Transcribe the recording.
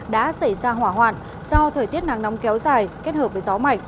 đã xảy ra hỏa hoạn do thời tiết nắng nóng kéo dài kết hợp với gió mạnh